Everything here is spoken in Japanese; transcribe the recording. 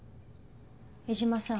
江島さん。